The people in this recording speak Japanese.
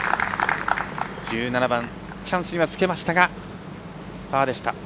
１７番、チャンスにはつけましたがパーでした。